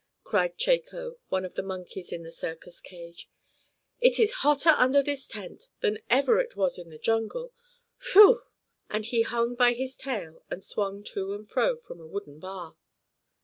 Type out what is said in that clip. cried Chako, one of the monkeys in the circus cage. "It is hotter under this tent than ever it was in the jungle! Whew!" and he hung by his tail and swung to and fro from a wooden bar.